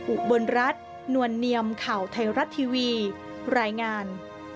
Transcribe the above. อุบลรัฐนวลเนียมข่าวไทยรัฐทีวีรายงาน